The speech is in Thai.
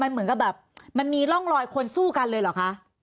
เหมือนกับแบบมันมีร่องรอยคนสู้กันเลยเหรอคะ